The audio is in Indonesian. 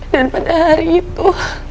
dan pada hari itu